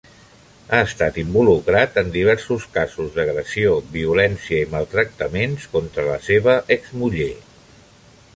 Ha estat involucrat en diversos casos d'agressió, violència i maltractaments contra la seva exmuller.